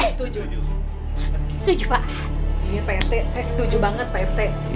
iya pak rete saya setuju banget pak rete